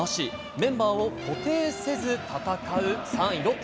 メンバーを固定せず戦う３位ロッテ。